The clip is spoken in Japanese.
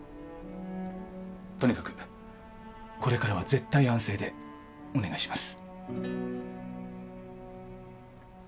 とにかくこれからは絶対安静でお願いします